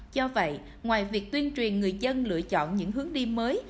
do vậy ngoài việc tuyên truyền người dân lựa chọn những hướng đi mới